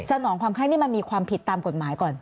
นองความไข้นี่มันมีความผิดตามกฎหมายก่อน